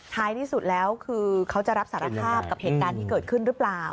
ท้ายที่สุดแล้วคือเขาจะรับสารภาพกับเหตุการณ์ที่เกิดขึ้นหรือเปล่า